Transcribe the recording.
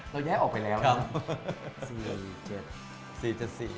เราแยกออกไปแล้วนะ